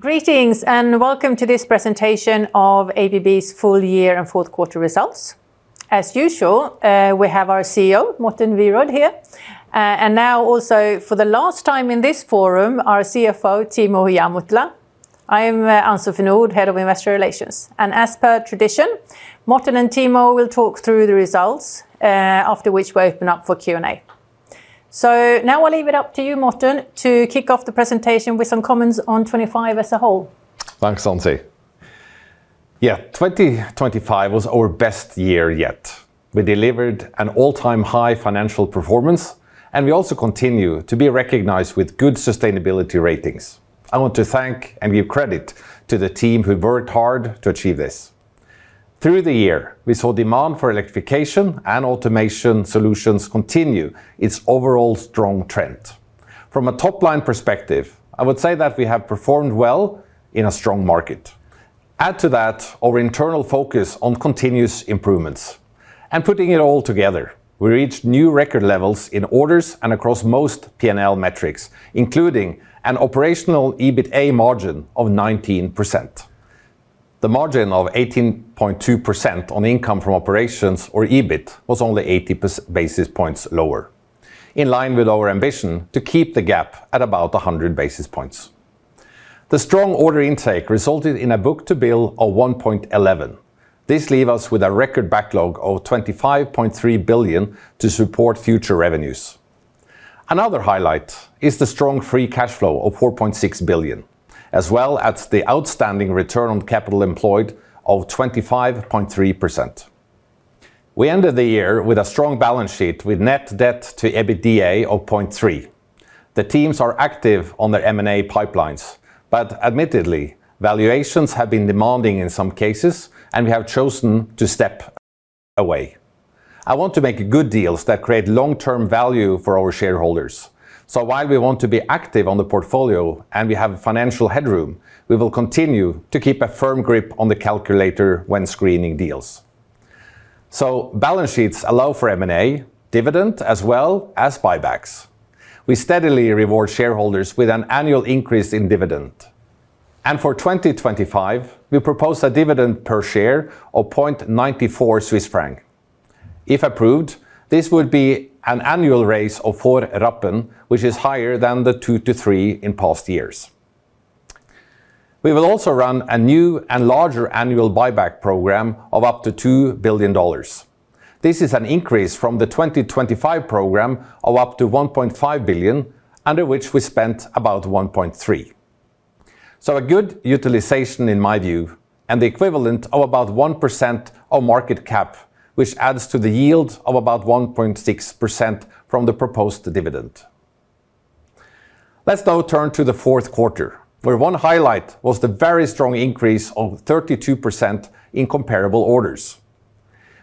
Greetings, and welcome to this presentation of ABB's Full Year and Fourth Quarter Results. As usual, we have our CEO, Morten Wierod, here, and now also for the last time in this forum, our CFO, Timo Ihamuotila. I am, Ann-Sofie Nordh, head of Investor Relations. And as per tradition, Morten and Timo will talk through the results, after which we open up for Q&A. So now I'll leave it up to you, Morten, to kick off the presentation with some comments on 2025 as a whole. Thanks, Ann-Sofie. Yeah, 2025 was our best year yet. We delivered an all-time high financial performance, and we also continue to be recognized with good sustainability ratings. I want to thank and give credit to the team who worked hard to achieve this. Through the year, we saw demand for Electrification and Automation solutions continue its overall strong trend. From a top-line perspective, I would say that we have performed well in a strong market. Add to that our internal focus on continuous improvements, and putting it all together, we reached new record levels in orders and across most P&L metrics, including an operational EBITA margin of 19%. The margin of 18.2% on income from operations, or EBIT, was only 80 basis points lower, in line with our ambition to keep the gap at about 100 basis points. The strong order intake resulted in a book-to-bill of 1.11. This leaves us with a record backlog of $25.3 billion to support future revenues. Another highlight is the strong free cash flow of $4.6 billion, as well as the outstanding return on capital employed of 25.3%. We ended the year with a strong balance sheet, with net debt to EBITDA of 0.3. The teams are active on their M&A pipelines, but admittedly, valuations have been demanding in some cases, and we have chosen to step away. I want to make good deals that create long-term value for our shareholders. So while we want to be active on the portfolio and we have financial headroom, we will continue to keep a firm grip on the calculator when screening deals. So balance sheets allow for M&A, dividend, as well as buybacks. We steadily reward shareholders with an annual increase in dividend. For 2025, we propose a dividend per share of 0.94 Swiss franc. If approved, this would be an annual raise of 4 Rappen, which is higher than the two to three in past years. We will also run a new and larger annual buyback program of up to $2 billion. This is an increase from the 2025 program of up to $1.5 billion, under which we spent about $1.3 billion. So a good utilization in my view, and the equivalent of about 1% of market cap, which adds to the yield of about 1.6% from the proposed dividend. Let's now turn to the fourth quarter, where one highlight was the very strong increase of 32% in comparable orders.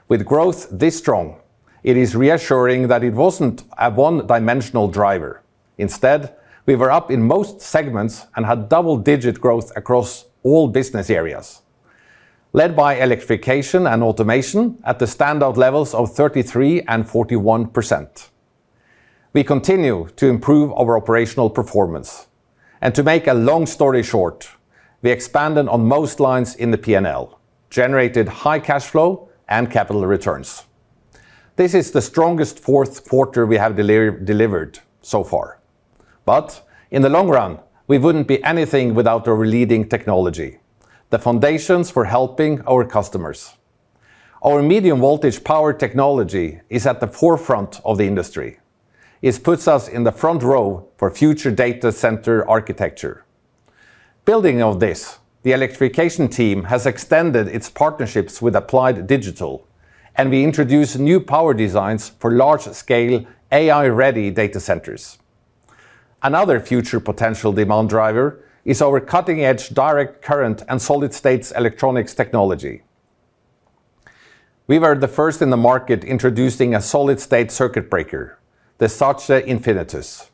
With growth this strong, it is reassuring that it wasn't a one-dimensional driver. Instead, we were up in most segments and had double-digit growth across all business areas, led by Electrification and Automation at the standout levels of 33% and 41%. We continue to improve our operational performance. And to make a long story short, we expanded on most lines in the P&L, generated high cash flow and capital returns. This is the strongest fourth quarter we have delivered so far. But in the long run, we wouldn't be anything without our leading technology, the foundations for helping our customers. Our medium-voltage power technology is at the forefront of the industry. It puts us in the front row for future data center architecture. Building on this, the Electrification team has extended its partnerships with Applied Digital, and we introduce new power designs for large-scale, AI-ready data centers. Another future potential demand driver is our cutting-edge direct current and solid-state electronics technology. We were the first in the market introducing a solid-state circuit breaker, the SACE Infinitus.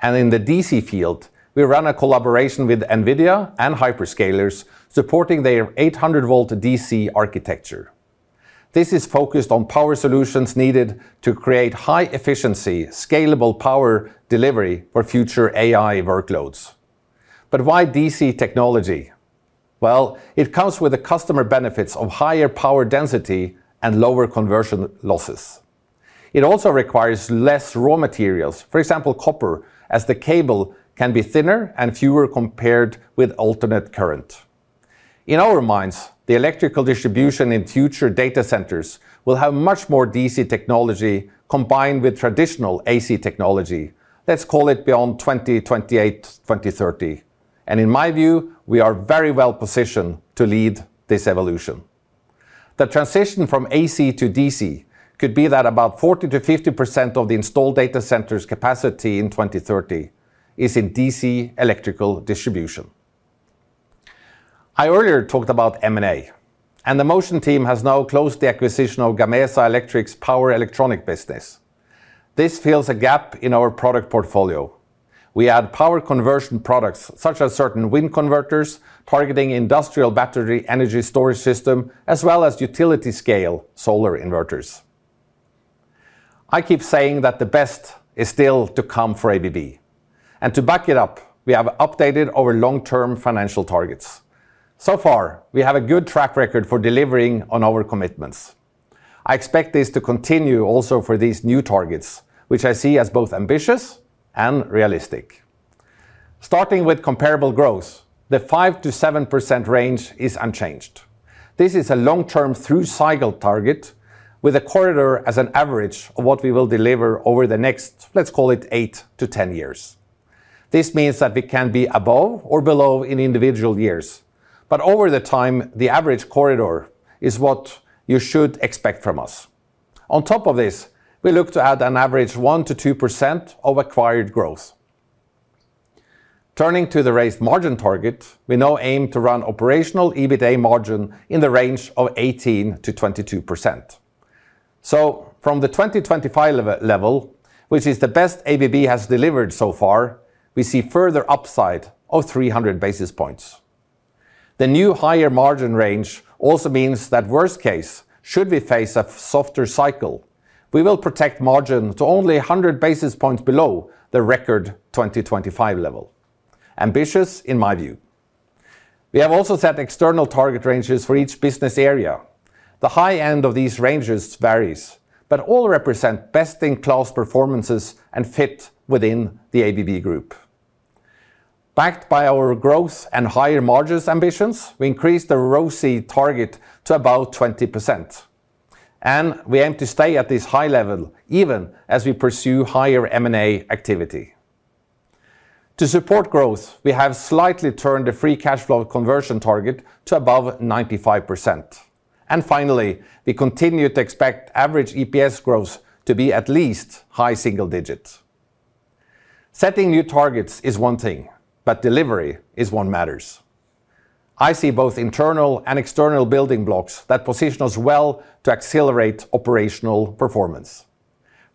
And in the DC field, we run a collaboration with NVIDIA and hyperscalers, supporting their 800-volt DC architecture. This is focused on power solutions needed to create high-efficiency, scalable power delivery for future AI workloads. But why DC technology? Well, it comes with the customer benefits of higher power density and lower conversion losses. It also requires less raw materials, for example, copper, as the cable can be thinner and fewer compared with alternating current. In our minds, the electrical distribution in future data centers will have much more DC technology combined with traditional AC technology, let's call it beyond 2028, 2030. And in my view, we are very well positioned to lead this evolution. The transition from AC to DC could be that about 40%-50% of the installed data center's capacity in 2030 is in DC electrical distribution. I earlier talked about M&A, and the Motion team has now closed the acquisition of Gamesa Electric's power electronic business. This fills a gap in our product portfolio. We add power conversion products, such as certain wind converters, targeting industrial battery energy storage system, as well as utility-scale solar inverters. I keep saying that the best is still to come for ABB. And to back it up, we have updated our long-term financial targets. So far, we have a good track record for delivering on our commitments. I expect this to continue also for these new targets, which I see as both ambitious and realistic. Starting with comparable growth, the 5%-7% range is unchanged. This is a long-term through-cycle target, with a corridor as an average of what we will deliver over the next, let's call it, 8-10 years. This means that we can be above or below in individual years, but over the time, the average corridor is what you should expect from us. On top of this, we look to add an average 1%-2% of acquired growth. Turning to the raised margin target, we now aim to run operational EBITA margin in the range of 18%-22%. So from the 2025 level, which is the best ABB has delivered so far, we see further upside of 300 basis points. The new higher margin range also means that worst case, should we face a softer cycle, we will protect margin to only 100 basis points below the record 2025 level. Ambitious, in my view. We have also set external target ranges for each business area. The high end of these ranges varies, but all represent best-in-class performances and fit within the ABB group. Backed by our growth and higher margins ambitions, we increased the ROCE target to about 20%, and we aim to stay at this high level even as we pursue higher M&A activity. To support growth, we have slightly turned the free cash flow conversion target to above 95%. And finally, we continue to expect average EPS growth to be at least high single digits. Setting new targets is one thing, but delivery is what matters. I see both internal and external building blocks that position us well to accelerate operational performance.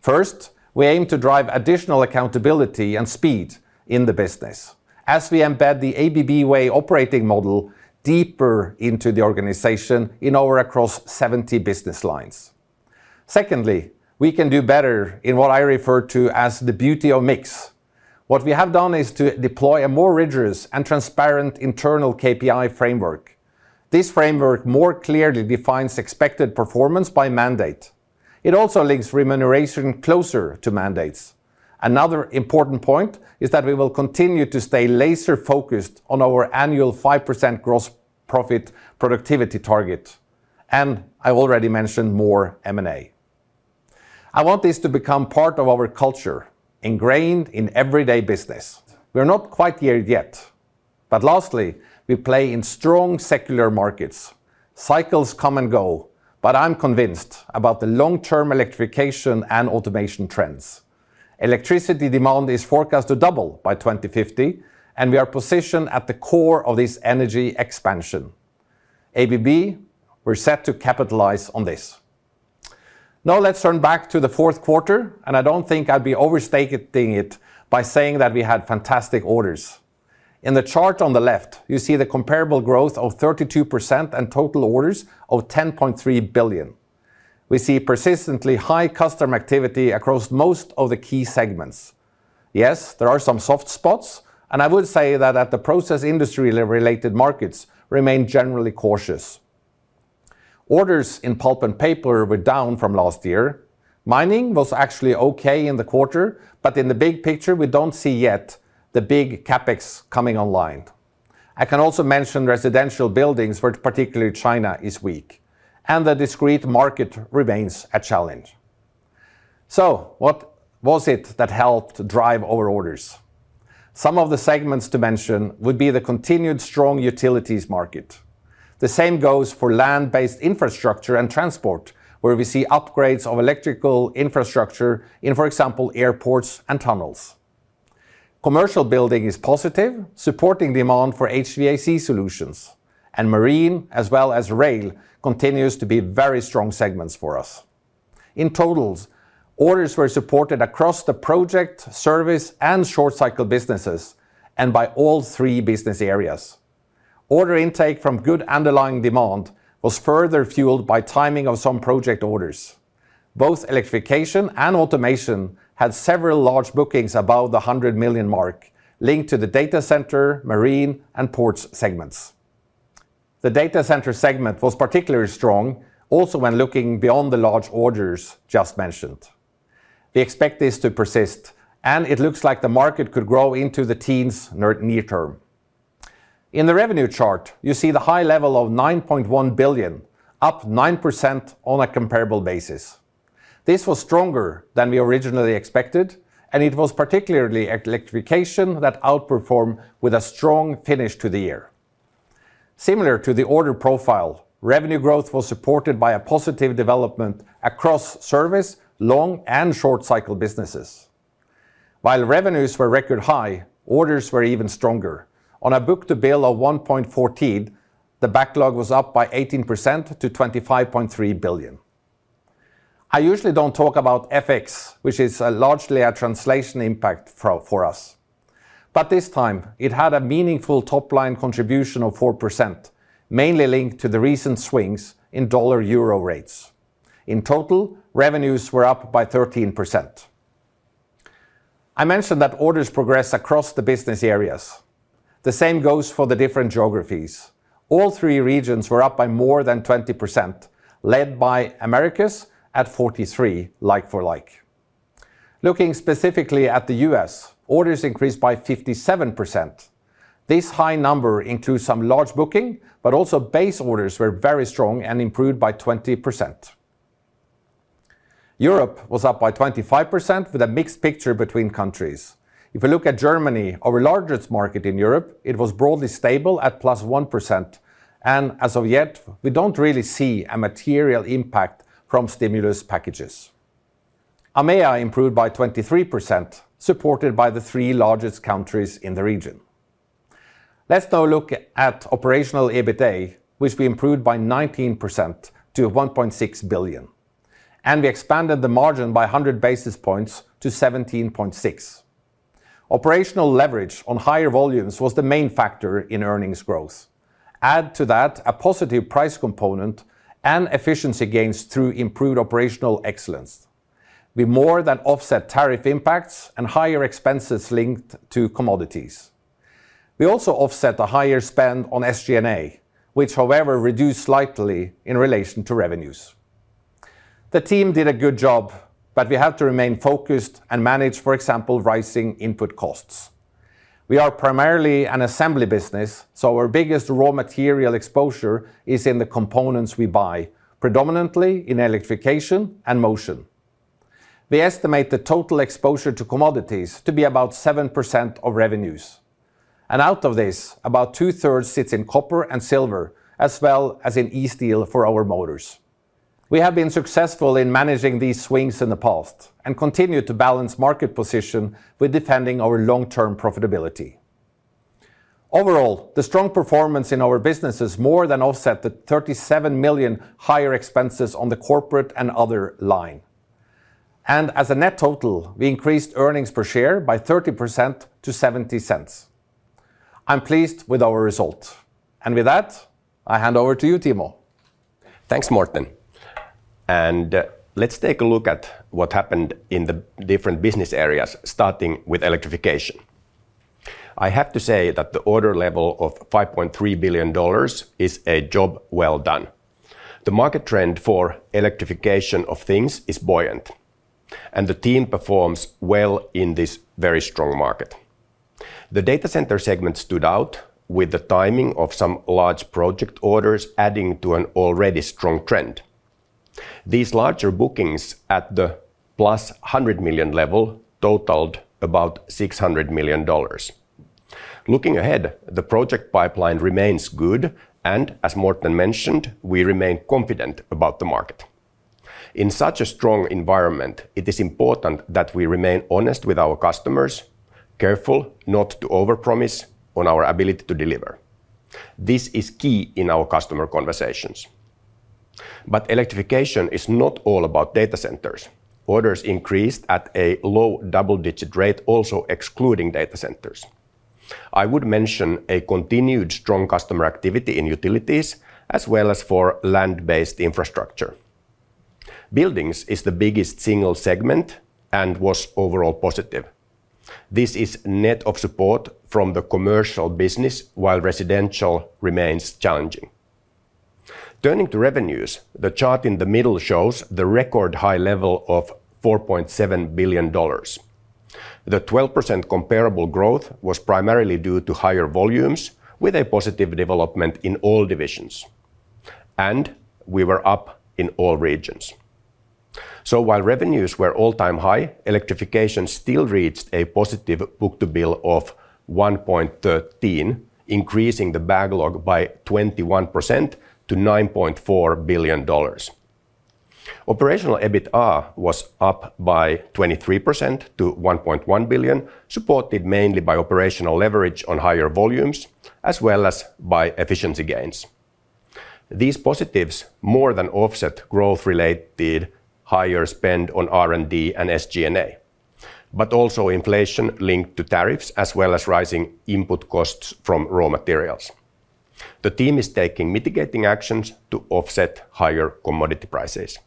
First, we aim to drive additional accountability and speed in the business, as we embed the ABB Way operating model deeper into the organization across over 70 business lines. Secondly, we can do better in what I refer to as the beauty of mix. What we have done is to deploy a more rigorous and transparent internal KPI framework. This framework more clearly defines expected performance by mandate. It also links remuneration closer to mandates. Another important point is that we will continue to stay laser-focused on our annual 5% gross profit productivity target, and I already mentioned more M&A. I want this to become part of our culture, ingrained in everyday business. We are not quite there yet, but lastly, we play in strong secular markets. Cycles come and go, but I'm convinced about the long-term Electrification and Automation trends. Electricity demand is forecast to double by 2050, and we are positioned at the core of this energy expansion. ABB, we're set to capitalize on this. Now, let's turn back to the fourth quarter, and I don't think I'd be overstating it by saying that we had fantastic orders. In the chart on the left, you see the comparable growth of 32% and total orders of $10.3 billion. We see persistently high customer activity across most of the key segments. Yes, there are some soft spots, and I would say that the process industry-related markets remain generally cautious. Orders in pulp and paper were down from last year. Mining was actually okay in the quarter, but in the big picture, we don't see yet the big CapEx coming online. I can also mention residential buildings, where particularly China is weak, and the discrete market remains a challenge. So what was it that helped drive our orders? Some of the segments to mention would be the continued strong utilities market. The same goes for land-based infrastructure and transport, where we see upgrades of electrical infrastructure in, for example, airports and tunnels. Commercial building is positive, supporting demand for HVAC solutions, and marine, as well as rail, continues to be very strong segments for us. In total, orders were supported across the project, service, and short-cycle businesses, and by all three business areas. Order intake from good underlying demand was further fueled by timing of some project orders. Both Electrification and Automation had several large bookings above the $100 million mark, linked to the data center, marine, and ports segments. The data center segment was particularly strong, also when looking beyond the large orders just mentioned. We expect this to persist, and it looks like the market could grow into the teens near-term. In the revenue chart, you see the high level of $9.1 billion, up 9% on a comparable basis. This was stronger than we originally expected, and it was particularly Electrification that outperformed with a strong finish to the year. Similar to the order profile, revenue growth was supported by a positive development across service, long and short-cycle businesses. While revenues were record high, orders were even stronger. On a book-to-bill of 1.14, the backlog was up by 18% to $25.3 billion. I usually don't talk about FX, which is largely a translation impact for us. But this time, it had a meaningful top line contribution of 4%, mainly linked to the recent swings in dollar-euro rates. In total, revenues were up by 13%. I mentioned that orders progressed across the business areas. The same goes for the different geographies. All three regions were up by more than 20%, led by Americas at 43, like for like. Looking specifically at the U.S., orders increased by 57%. This high number includes some large booking, but also base orders were very strong and improved by 20%. Europe was up by 25%, with a mixed picture between countries. If you look at Germany, our largest market in Europe, it was broadly stable at +1%, and as of yet, we don't really see a material impact from stimulus packages. EMEA improved by 23%, supported by the three largest countries in the region. Let's now look at operational EBITA, which we improved by 19% to $1.6 billion, and we expanded the margin by 100 basis points to 17.6. Operational leverage on higher volumes was the main factor in earnings growth. Add to that a positive price component and efficiency gains through improved operational excellence. We more than offset tariff impacts and higher expenses linked to commodities. We also offset a higher spend on SG&A, which however, reduced slightly in relation to revenues. The team did a good job, but we have to remain focused and manage, for example, rising input costs. We are primarily an assembly business, so our biggest raw material exposure is in the components we buy, predominantly in Electrification and Motion. We estimate the total exposure to commodities to be about 7% of revenues, and out of this, about 2/3 sits in copper and silver, as well as in e-steel for our motors. We have been successful in managing these swings in the past and continue to balance market position with defending our long-term profitability. Overall, the strong performance in our businesses more than offset the $37 million higher expenses on the corporate and other line. As a net total, we increased earnings per share by 30% to $0.70. I'm pleased with our results, and with that, I hand over to you, Timo. Thanks, Morten. Let's take a look at what happened in the different business areas, starting with Electrification. I have to say that the order level of $5.3 billion is a job well done. The market trend for Electrification of things is buoyant, and the team performs well in this very strong market. The data center segment stood out with the timing of some large project orders, adding to an already strong trend. These larger bookings at the +100 million level totaled about $600 million. Looking ahead, the project pipeline remains good, and as Morten mentioned, we remain confident about the market. In such a strong environment, it is important that we remain honest with our customers, careful not to overpromise on our ability to deliver. This is key in our customer conversations. But Electrification is not all about data centers. Orders increased at a low double-digit rate, also excluding data centers. I would mention a continued strong customer activity in utilities, as well as for land-based infrastructure. Buildings is the biggest single segment and was overall positive. This is net of support from the commercial business, while residential remains challenging. Turning to revenues, the chart in the middle shows the record high level of $4.7 billion. The 12% comparable growth was primarily due to higher volumes, with a positive development in all divisions, and we were up in all regions. So while revenues were all-time high, Electrification still reached a positive book-to-bill of 1.13, increasing the backlog by 21% to $9.4 billion. Operational EBITA was up by 23% to $1.1 billion, supported mainly by operational leverage on higher volumes, as well as by efficiency gains. These positives more than offset growth-related higher spend on R&D and SG&A, but also inflation linked to tariffs, as well as rising input costs from raw materials. The team is taking mitigating actions to offset higher commodity prices.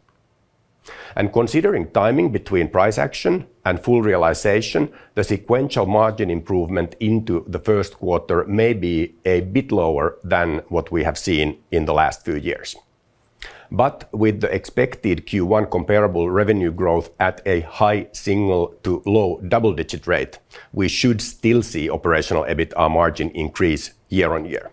And considering timing between price action and full realization, the sequential margin improvement into the first quarter may be a bit lower than what we have seen in the last few years. But with the expected Q1 comparable revenue growth at a high single- to low double-digit rate, we should still see operational EBITA margin increase year-on-year.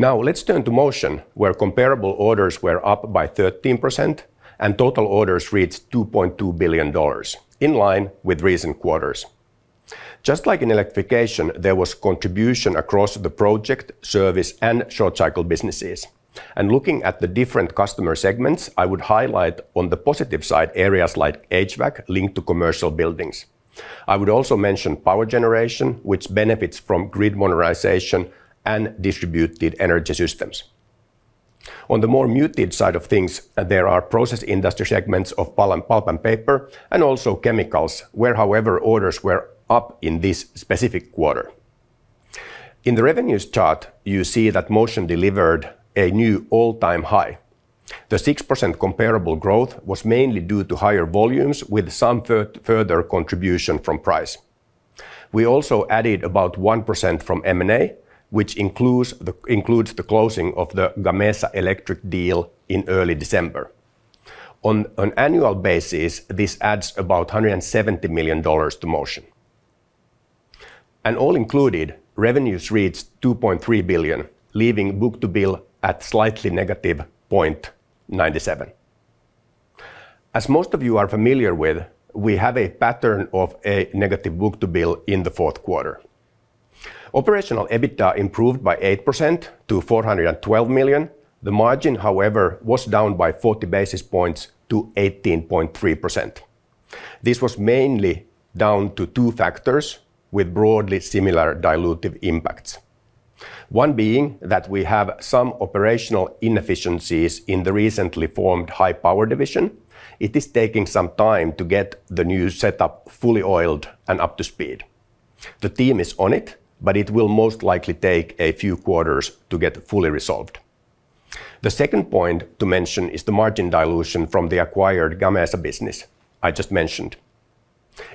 Now, let's turn to Motion, where comparable orders were up by 13% and total orders reached $2.2 billion, in line with recent quarters. Just like in Electrification, there was contribution across the project, service, and short cycle businesses. Looking at the different customer segments, I would highlight on the positive side, areas like HVAC, linked to commercial buildings. I would also mention power generation, which benefits from grid modernization and distributed energy systems. On the more muted side of things, there are process industry segments of pulp and paper, and also chemicals, where however, orders were up in this specific quarter. In the revenues chart, you see that Motion delivered a new all-time high. The 6% comparable growth was mainly due to higher volumes, with some further contribution from price. We also added about 1% from M&A, which includes the closing of the Gamesa Electric deal in early December. On an annual basis, this adds about $170 million to Motion. And all included, revenues reached $2.3 billion, leaving book-to-bill at slightly negative 0.97. As most of you are familiar with, we have a pattern of a negative book-to-bill in the fourth quarter. Operational EBITDA improved by 8% to $412 million. The margin, however, was down by 40 basis points to 18.3%. This was mainly down to two factors, with broadly similar dilutive impacts. One being that we have some operational inefficiencies in the recently formed High Power division. It is taking some time to get the new setup fully oiled and up to speed. The team is on it, but it will most likely take a few quarters to get fully resolved. The second point to mention is the margin dilution from the acquired Gamesa business I just mentioned.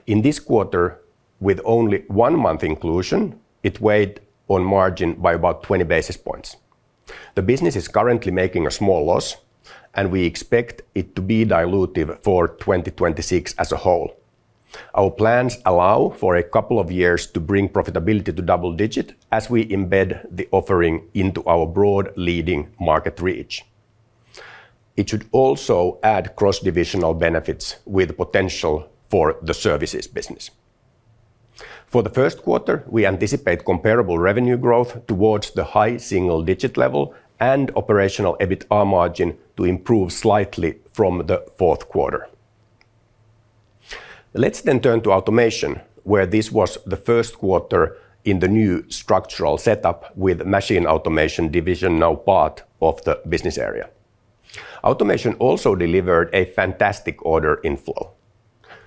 In this quarter, with only one month inclusion, it weighed on margin by about 20 basis points. The business is currently making a small loss, and we expect it to be dilutive for 2026 as a whole. Our plans allow for a couple of years to bring profitability to double-digit as we embed the offering into our broad leading market reach. It should also add cross-divisional benefits with potential for the services business. For the first quarter, we anticipate comparable revenue growth towards the high single-digit level and operational EBITDA margin to improve slightly from the fourth quarter. Let's then turn to Automation, where this was the first quarter in the new structural setup with Machine Automation division now part of the business area. Automation also delivered a fantastic order inflow.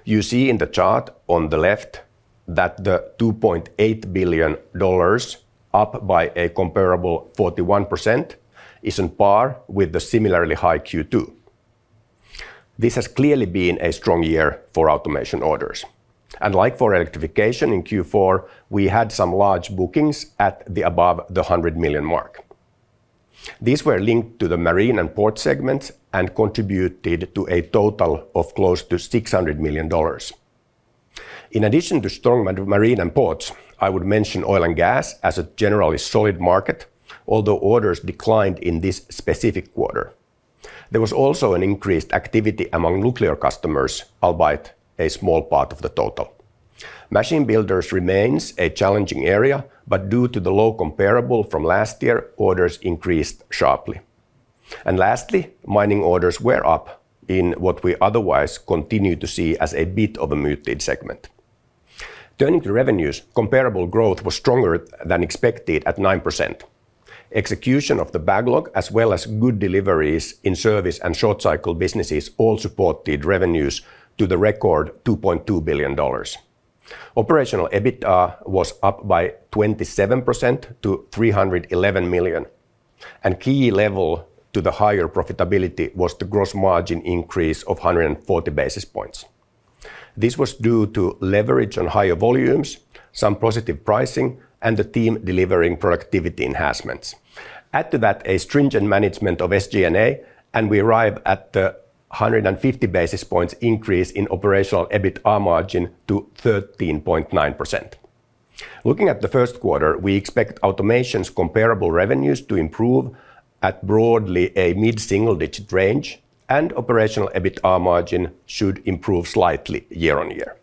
You see in the chart on the left that the $2.8 billion, up by a comparable 41%, is on par with the similarly high Q2. This has clearly been a strong year for Automation orders. Like for Electrification in Q4, we had some large bookings above the $100 million mark. These were linked to the marine and port segments and contributed to a total of close to $600 million. In addition to strong marine and ports, I would mention oil and gas as a generally solid market, although orders declined in this specific quarter. There was also an increased activity among nuclear customers, albeit a small part of the total. Machine builders remains a challenging area, but due to the low comparable from last year, orders increased sharply. Lastly, mining orders were up in what we otherwise continue to see as a bit of a muted segment. Turning to revenues, comparable growth was stronger than expected at 9%. Execution of the backlog, as well as good deliveries in service and short cycle businesses, all supported revenues to the record $2.2 billion. Operational EBITDA was up by 27% to $311 million, and key lever to the higher profitability was the gross margin increase of 140 basis points. This was due to leverage on higher volumes, some positive pricing, and the team delivering productivity enhancements. Add to that a stringent management of SG&A, and we arrive at the 150 basis points increase in operational EBITDA margin to 13.9%. Looking at the first quarter, we expect Automation's comparable revenues to improve at broadly a mid-single-digit range, and operational EBITDA margin should improve slightly year-on-year.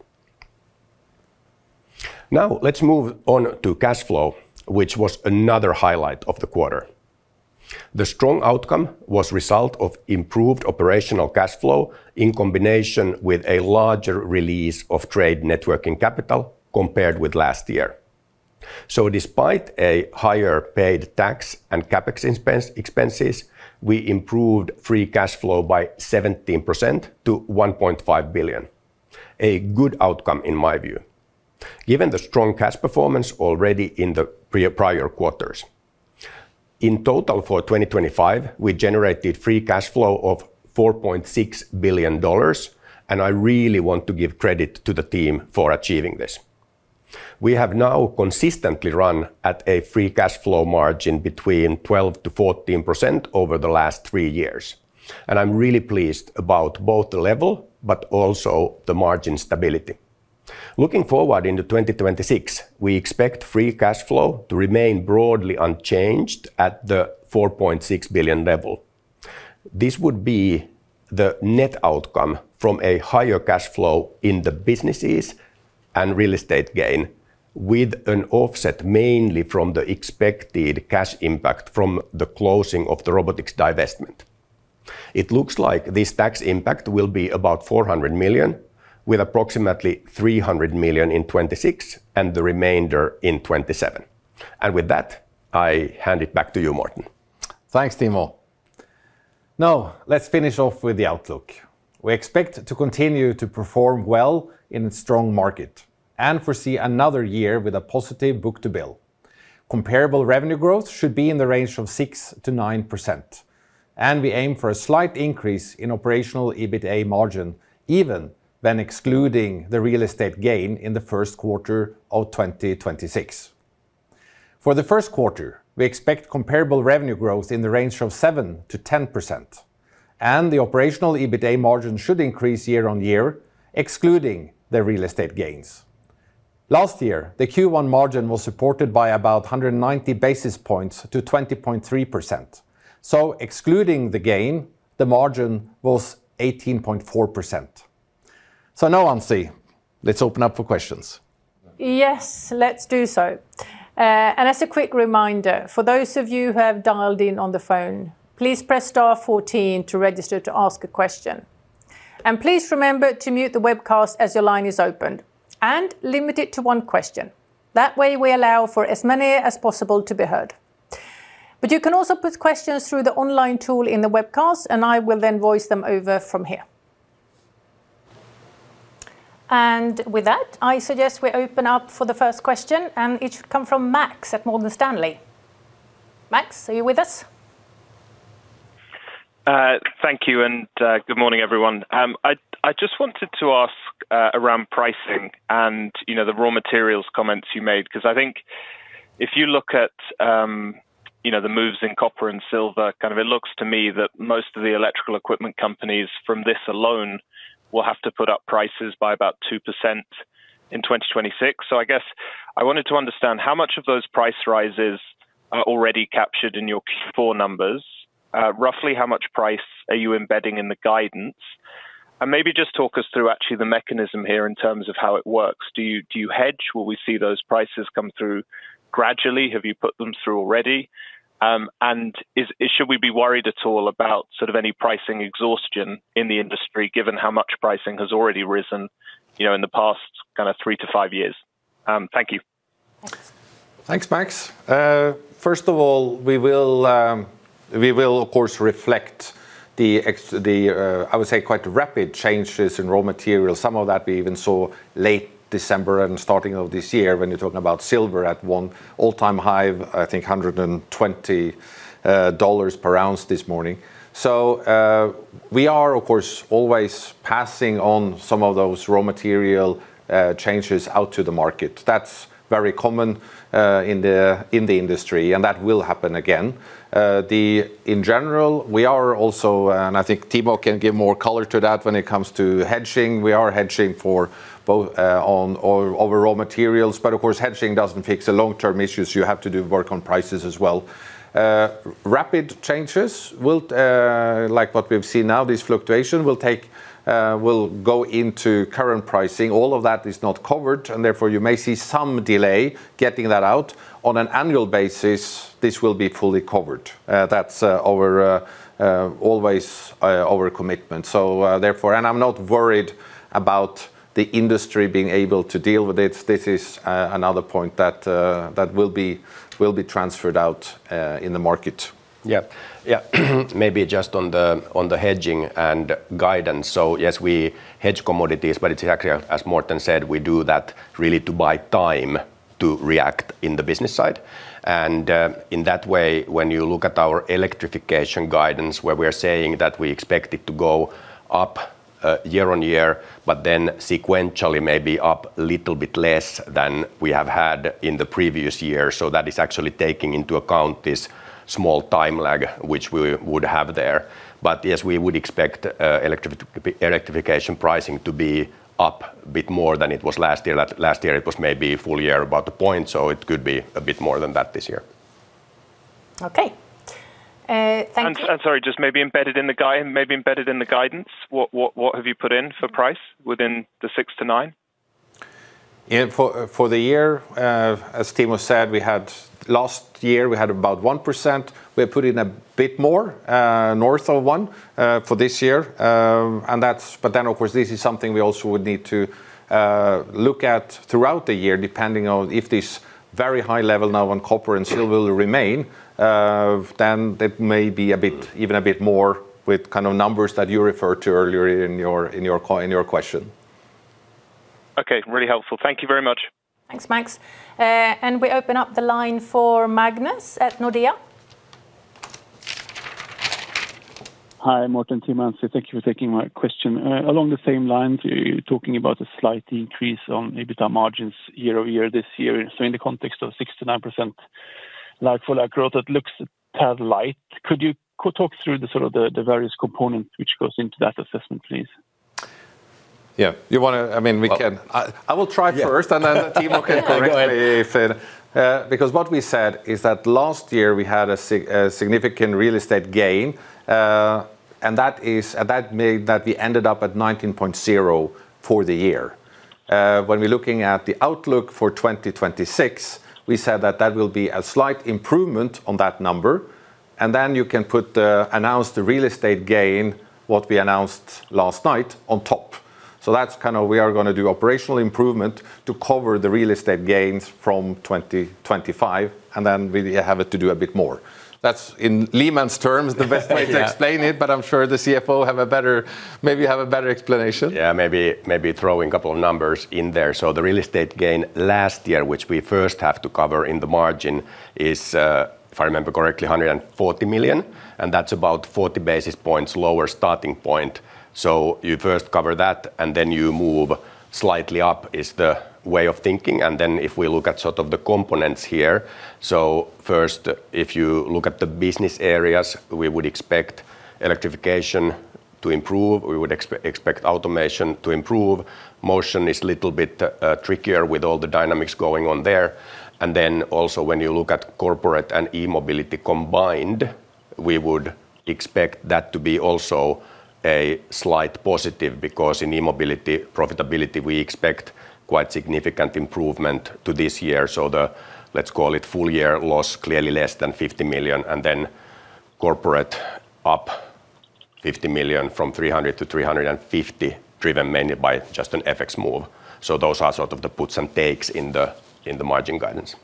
Now, let's move on to cash flow, which was another highlight of the quarter. The strong outcome was the result of improved operational cash flow in combination with a larger release of net working capital compared with last year. So despite higher taxes paid and CapEx expenses, we improved free cash flow by 17% to $1.5 billion. A good outcome, in my view, given the strong cash performance already in the prior quarters. In total, for 2025, we generated free cash flow of $4.6 billion, and I really want to give credit to the team for achieving this. We have now consistently run at a free cash flow margin between 12%-14% over the last three years, and I'm really pleased about both the level but also the margin stability. Looking forward into 2026, we expect free cash flow to remain broadly unchanged at the $4.6 billion level. This would be the net outcome from a higher cash flow in the businesses and real estate gain, with an offset mainly from the expected cash impact from the closing of the robotics divestment. It looks like this tax impact will be about $400 million, with approximately $300 million in 2026, and the remainder in 2027. With that, I hand it back to you, Morten. Thanks, Timo. Now, let's finish off with the outlook. We expect to continue to perform well in a strong market, and foresee another year with a positive book-to-bill. Comparable revenue growth should be in the range of 6%-9%, and we aim for a slight increase in operational EBITA margin, even when excluding the real estate gain in the first quarter of 2026. For the first quarter, we expect comparable revenue growth in the range from 7%-10%, and the operational EBITA margin should increase year-on-year, excluding the real estate gains. Last year, the Q1 margin was supported by about 190 basis points to 20.3%. So excluding the gain, the margin was 18.4%. So now, Ann-Sofie, let's open up for questions. Yes, let's do so. And as a quick reminder, for those of you who have dialed in on the phone, please press star fourteen to register to ask a question. And please remember to mute the webcast as your line is open, and limit it to one question. That way, we allow for as many as possible to be heard. But you can also put questions through the online tool in the webcast, and I will then voice them over from here. And with that, I suggest we open up for the first question, and it should come from Max at Morgan Stanley. Max, are you with us? Thank you, and good morning, everyone. I just wanted to ask around pricing and, you know, the raw materials comments you made, 'cause I think if you look at, you know, the moves in copper and silver, kind of, it looks to me that most of the electrical equipment companies from this alone, will have to put up prices by about 2% in 2026. So I guess I wanted to understand how much of those price rises are already captured in your Q4 numbers? Roughly how much price are you embedding in the guidance? And maybe just talk us through actually the mechanism here in terms of how it works. Do you hedge? Will we see those prices come through gradually? Have you put them through already? And is should we be worried at all about sort of any pricing exhaustion in the industry, given how much pricing has already risen, you know, in the past kind of three to five years? Thank you. Thanks. Thanks, Max. First of all, we will of course reflect the, I would say, quite rapid changes in raw materials. Some of that we even saw late December and starting of this year, when you're talking about silver at an all-time high, I think $120 per ounce this morning. So, we are, of course, always passing on some of those raw material changes out to the market. That's very common, in the industry, and that will happen again. In general, we are also, and I think Timo can give more color to that when it comes to hedging. We are hedging for both, on over raw materials, but of course, hedging doesn't fix the long-term issues, you have to do work on prices as well. Rapid changes will, like what we've seen now, this fluctuation will take, will go into current pricing. All of that is not covered, and therefore you may see some delay getting that out. On an annual basis, this will be fully covered. That's always our commitment. Therefore, I'm not worried about the industry being able to deal with it. This is another point that will be transferred out in the market. Yeah. Yeah. Maybe just on the hedging and guidance. So yes, we hedge commodities, but it's actually, as Morten said, we do that really to buy time to react in the business side. And in that way, when you look at our Electrification guidance, where we are saying that we expect it to go up year-over-year, but then sequentially maybe up a little bit less than we have had in the previous year. So that is actually taking into account this small time lag, which we would have there. But yes, we would expect Electrification pricing to be up a bit more than it was last year. Last year, it was maybe full year about the point, so it could be a bit more than that this year. Okay. Thank you. I'm sorry, just maybe embedded in the guidance, what have you put in for price within the six to nine? Yeah, for the year, as Timo said, we had last year, we had about 1%. We have put in a bit more, north of 1, for this year. And that's, but then, of course, this is something we also would need to look at throughout the year, depending on if this very high level now on copper and steel will remain, then that may be a bit, even a bit more with kind of numbers that you referred to earlier in your question. Okay, really helpful. Thank you very much. Thanks, Max. We open up the line for Magnus at Nordea. Hi, Morten and Timo. Thank you for taking my question. Along the same lines, you're talking about a slight increase on EBITA margins year-over-year this year. So in the context of 6%-9%, like for, like, growth, it looks a tad light. Could you talk through the sort of the various components which goes into that assessment, please? Yeah, you wanna, I mean, we can. Well. I will try first. Yeah. And then Timo can correct me if it. Go ahead. Because what we said is that last year we had a significant real estate gain, and that is, and that made that we ended up at 19.0 for the year. When we're looking at the outlook for 2026, we said that that will be a slight improvement on that number, and then you can put the announced real estate gain, what we announced last night, on top. So that's kind of we are going to do operational improvement to cover the real estate gains from 2025, and then we have it to do a bit more. That's in layman's terms, the best way to explain it, but I'm sure the CFO have a better, maybe have a better explanation. Yeah, maybe, maybe throw in a couple of numbers in there. So the real estate gain last year, which we first have to cover in the margin, is, if I remember correctly, $140 million, and that's about 40 basis points lower starting point. So you first cover that, and then you move slightly up, is the way of thinking. And then if we look at sort of the components here, so first, if you look at the business areas, we would expect Electrification to improve. We would expect Automation to improve. Motion is a little bit trickier with all the dynamics going on there. And then, also, when you look at corporate and E-mobility combined, we would expect that to be also a slight positive, because in E-mobility profitability, we expect quite significant improvement to this year. So the, let's call it, full year loss, clearly less than $50 million, and then corporate up $50 million from $300 million-$350 million, driven mainly by just an FX move. So those are sort of the puts and takes in the margin guidance.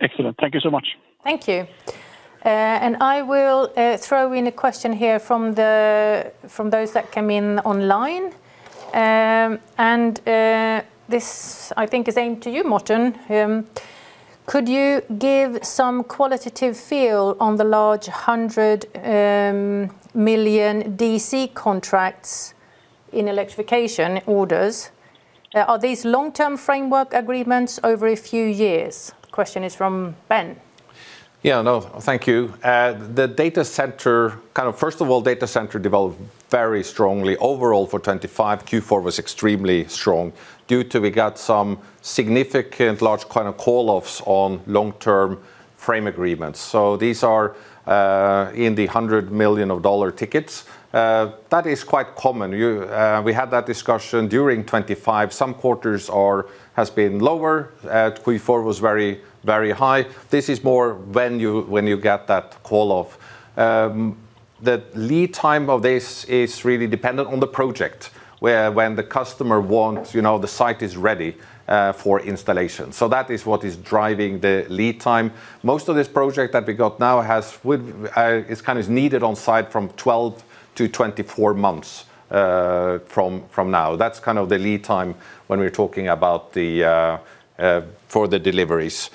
Excellent. Thank you so much. Thank you. I will throw in a question here from those that came in online. This, I think, is aimed to you, Morten. Could you give some qualitative feel on the large $100 million DC contracts in Electrification orders? Are these long-term framework agreements over a few years? The question is from Ben. Yeah, no, thank you. The data center developed very strongly. Overall, for 2025, Q4 was extremely strong due to we got some significant large kind of call-offs on long-term frame agreements. So these are in the $100 million tickets. That is quite common. You, we had that discussion during 2025. Some quarters are, has been lower. Q4 was very, very high. This is more when you, when you get that call-off. The lead time of this is really dependent on the project, where when the customer wants, you know, the site is ready for installation. So that is what is driving the lead time. Most of this project that we got now has with, is kind of needed on site from 12 to 24 months, from now. That's kind of the lead time when we're talking about the for the deliveries.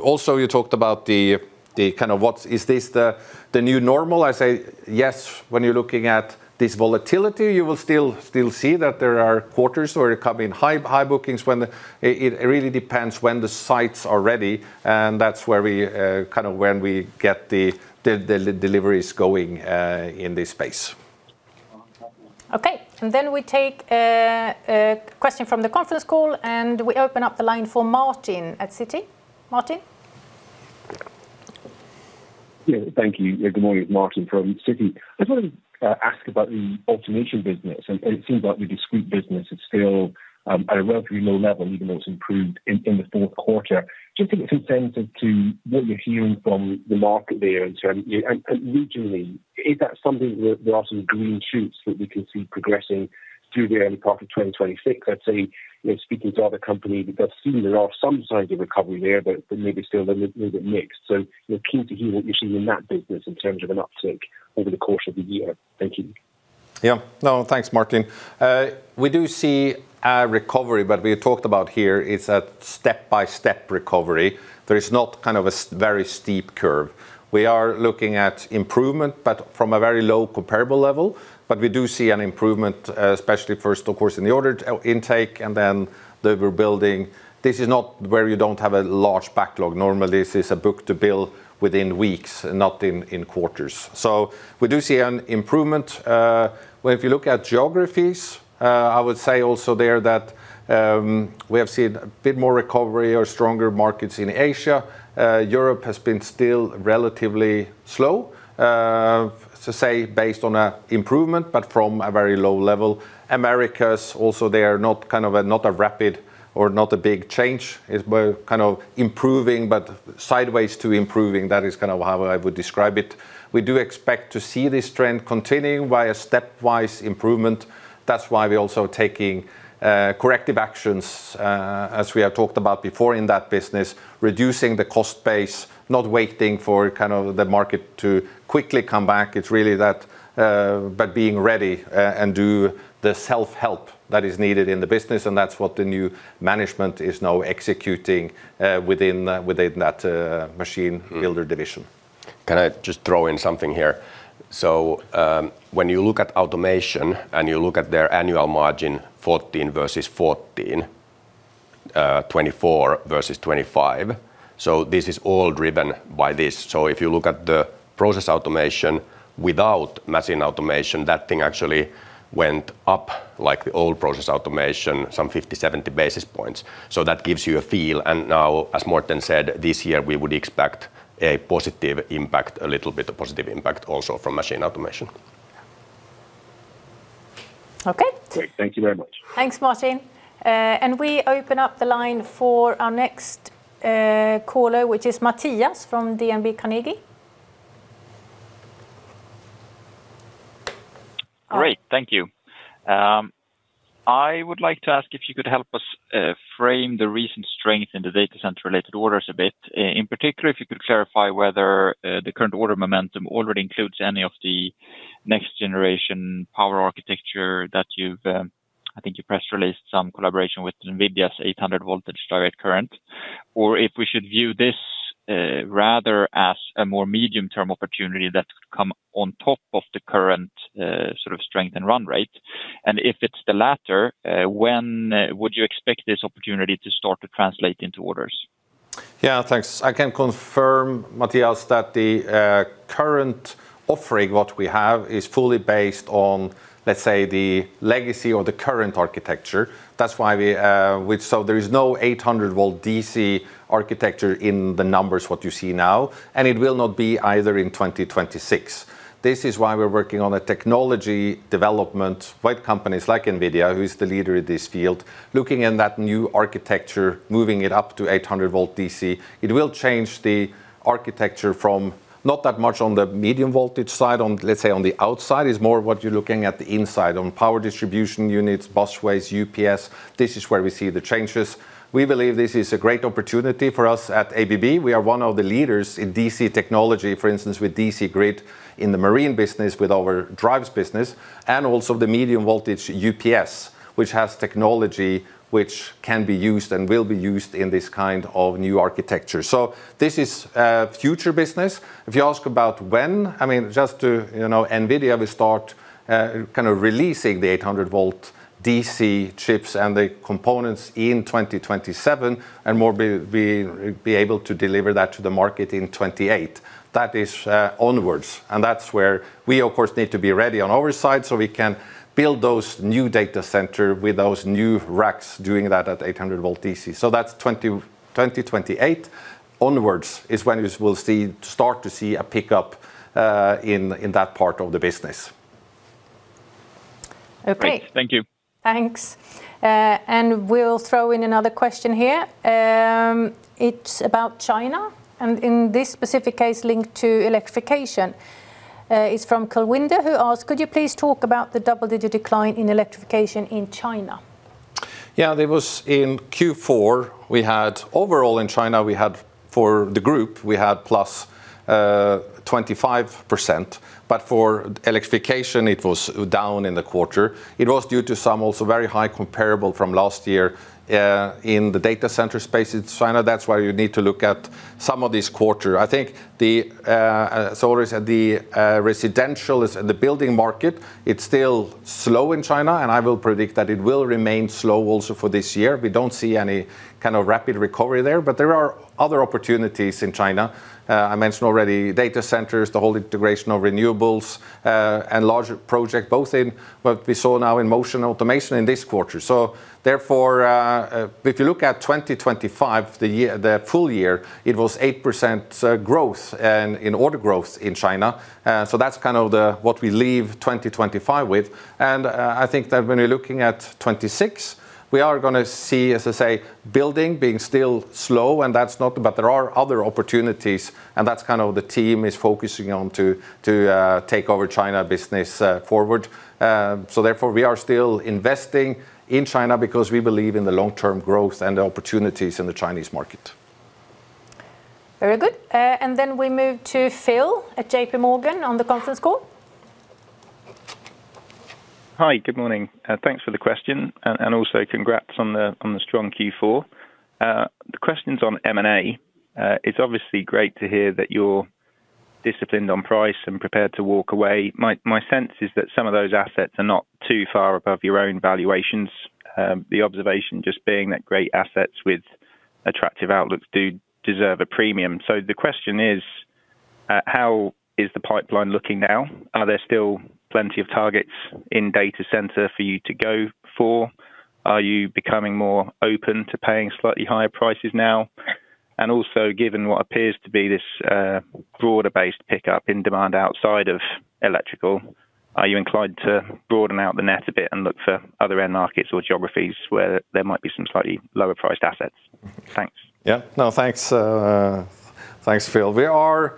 Also, you talked about the kind of what is this the new normal? I say, yes, when you're looking at this volatility, you will still see that there are quarters where you come in high bookings when it really depends when the sites are ready, and that's where we kind of when we get the deliveries going in this space. Okay, and then we take a question from the conference call, and we open up the line for Martin at Citi. Martin? Yeah, thank you. Good morning, Martin from Citi. I just wanted to ask about the Automation business, and it seems like the discrete business is still at a relatively low level, even though it's improved in the fourth quarter. Do you think it's in sync with what you're hearing from the market there in terms of, and regionally, is that something that there are some green shoots that we can see progressing through the early part of 2026? Let's say, you know, speaking to other company, because it seems there are some signs of recovery there, but maybe still a little bit mixed. So we're keen to hear what you're seeing in that business in terms of an uptick over the course of the year. Thank you. Yeah. No, thanks, Martin. We do see a recovery, but we talked about here, it's a step-by-step recovery. There is not kind of a very steep curve. We are looking at improvement, but from a very low comparable level, but we do see an improvement, especially first, of course, in the order intake and then the rebuilding. This is not where you don't have a large backlog. Normally, this is a book-to-bill within weeks, not in quarters. So we do see an improvement. Well, if you look at geographies, I would say also there that we have seen a bit more recovery or stronger markets in Asia. Europe has been still relatively slow to say, based on an improvement, but from a very low level. Americas, also, they are not kind of a, not a rapid or not a big change. It's by kind of improving but sideways to improving. That is kind of how I would describe it. We do expect to see this trend continuing by a stepwise improvement. That's why we're also taking corrective actions, as we have talked about before in that business, reducing the cost base, not waiting for kind of the market to quickly come back. It's really that, but being ready, and do the self-help that is needed in the business, and that's what the new management is now executing within that machine builder division. Can I just throw in something here? So, when you look at Automation, and you look at their annual margin, 14 versus 14, 24 versus 25, so this is all driven by this. So if you look at the process Automation without Machine Automation, that thing actually went up, like the old process Automation, some 50, 70 basis points. So that gives you a feel. And now, as Morten said, this year, we would expect a positive impact, a little bit of positive impact also from Machine Automation. Okay. Great. Thank you very much. Thanks, Martin. We open up the line for our next caller, which is Mattias from DNB Carnegie. Great, thank you. I would like to ask if you could help us frame the recent strength in the data center-related orders a bit. In particular, if you could clarify whether the current order momentum already includes any of the next generation power architecture that you've I think you press released some collaboration with NVIDIA's 800V direct current, or if we should view this rather as a more medium-term opportunity that could come on top of the current sort of strength and run rate? And if it's the latter, when would you expect this opportunity to start to translate into orders? Yeah, thanks. I can confirm, Mattias, that the current offering, what we have, is fully based on, let's say, the legacy or the current architecture. That's why we, so there is no 800-volt DC architecture in the numbers, what you see now, and it will not be either in 2026. This is why we're working on a technology development with companies like NVIDIA, who's the leader in this field, looking in that new architecture, moving it up to 800-volt DC. It will change the architecture from not that much on the medium voltage side, on, let's say, on the outside, is more what you're looking at the inside, on power distribution units, bus ways, UPS. This is where we see the changes. We believe this is a great opportunity for us at ABB. We are one of the leaders in DC technology, for instance, with DC grid in the marine business, with our drives business, and also the medium voltage UPS, which has technology which can be used and will be used in this kind of new architecture. So this is future business. If you ask about when, I mean, just to, you know, NVIDIA will start kind of releasing the 800 volt DC chips and the components in 2027, and more be able to deliver that to the market in 2028. That is onwards, and that's where we, of course, need to be ready on our side, so we can build those new data center with those new racks, doing that at 800 volt DC. That's 2028 onwards, is when you will start to see a pickup in that part of the business. Okay. Great, thank you. Thanks. And we'll throw in another question here. It's about China, and in this specific case, linked to Electrification. It's from Kulwinder, who asks: "Could you please talk about the double-digit decline in Electrification in China? Yeah, there was in Q4, we had overall in China, we had, for the group, we had plus 25%, but for Electrification, it was down in the quarter. It was due to some also very high comparable from last year in the data center space in China. That's why you need to look at some of this quarter. I think the, so as the, residential is, the building market, it's still slow in China, and I will predict that it will remain slow also for this year. We don't see any kind of rapid recovery there, but there are other opportunities in China. I mentioned already, data centers, the whole integration of renewables, and larger project, both in what we saw now in Motion Automation in this quarter. So therefore, if you look at 2025, the year, the full year, it was 8% growth and in order growth in China. So that's kind of the, what we leave 2025 with. And I think that when we're looking at 2026, we are gonna see, as I say, building being still slow, and that's not, but there are other opportunities, and that's kind of the team is focusing on to, to take over China business forward. So therefore, we are still investing in China because we believe in the long-term growth and the opportunities in the Chinese market. Very good. And then we move to Phil at J.P. Morgan on the conference call. Hi, good morning, and thanks for the question, and also congrats on the strong Q4. The question's on M&A. It's obviously great to hear that you're disciplined on price and prepared to walk away. My sense is that some of those assets are not too far above your own valuations. The observation just being that great assets with attractive outlooks do deserve a premium. So the question is: How is the pipeline looking now? Are there still plenty of targets in data center for you to go for? Are you becoming more open to paying slightly higher prices now? And also, given what appears to be this broader-based pickup in demand outside of electrical, are you inclined to broaden out the net a bit and look for other end markets or geographies where there might be some slightly lower-priced assets? Thanks. Yeah. No, thanks, Phil. We are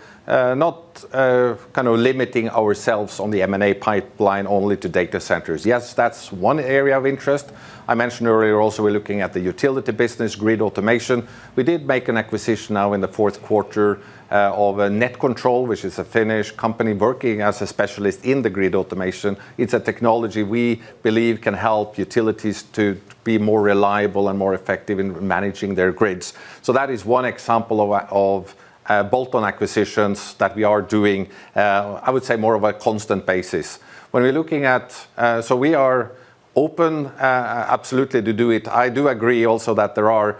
not kind of limiting ourselves on the M&A pipeline only to data centers. Yes, that's one area of interest. I mentioned earlier also, we're looking at the utility business, grid Automation. We did make an acquisition now in the fourth quarter of Netcontrol, which is a Finnish company working as a specialist in the grid Automation. It's a technology we believe can help utilities to be more reliable and more effective in managing their grids. So that is one example of a bolt-on acquisitions that we are doing. I would say more of a constant basis. So we are open absolutely to do it. I do agree also that there are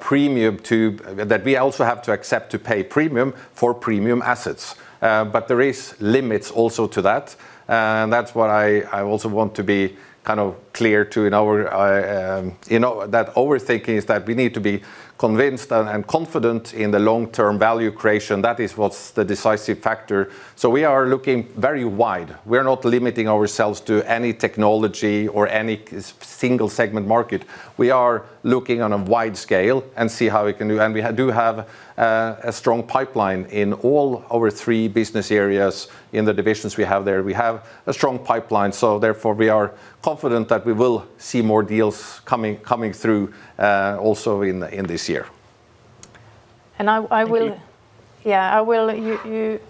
premiums that we also have to accept to pay premium for premium assets. But there is limits also to that, and that's what I also want to be kind of clear to in our, you know, that overthinking is that we need to be convinced and confident in the long-term value creation. That is what's the decisive factor. So we are looking very wide. We're not limiting ourselves to any technology or any single segment market. We are looking on a wide scale and see how we can do. And we do have a strong pipeline in all our three business areas in the divisions we have there. We have a strong pipeline, so therefore, we are confident that we will see more deals coming through also in this year. I will. Thank you. Yeah, I will. You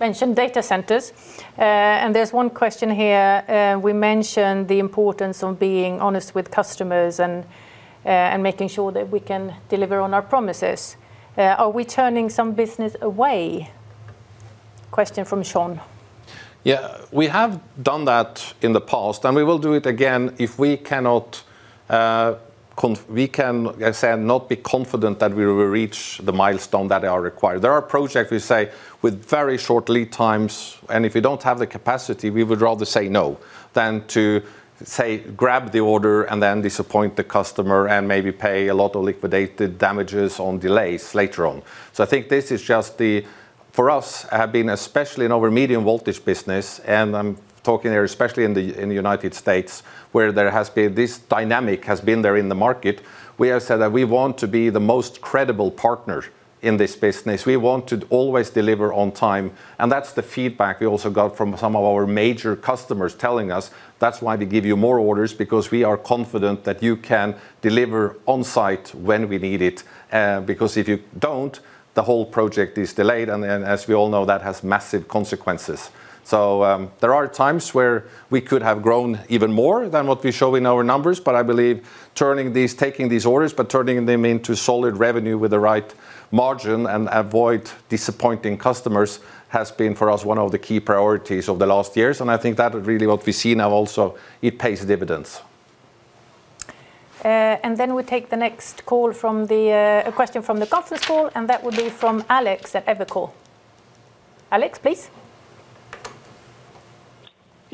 mentioned data centers, and there's one question here. We mentioned the importance on being honest with customers and making sure that we can deliver on our promises. Are we turning some business away? Question from Sean. Yeah, we have done that in the past, and we will do it again if we cannot we can, I say, not be confident that we will reach the milestone that are required. There are projects, we say, with very short lead times, and if you don't have the capacity, we would rather say no than to, say, grab the order and then disappoint the customer and maybe pay a lot of liquidated damages on delays later on. So I think this is just for us, have been, especially in our medium voltage business, and I'm talking here especially in the United States, where there has been, this dynamic has been there in the market. We have said that we want to be the most credible partner in this business. We want to always deliver on time, and that's the feedback we also got from some of our major customers telling us: That's why we give you more orders, because we are confident that you can deliver on site when we need it. Because if you don't, the whole project is delayed, and then, as we all know, that has massive consequences. So, there are times where we could have grown even more than what we show in our numbers, but I believe turning these, taking these orders, but turning them into solid revenue with the right margin and avoid disappointing customers, has been, for us, one of the key priorities of the last years. And I think that is really what we see now also, it pays dividends. And then we take the next call from the, a question from the conference call, and that would be from Alex at Evercore. Alex, please.